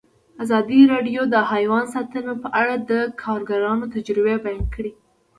ازادي راډیو د حیوان ساتنه په اړه د کارګرانو تجربې بیان کړي.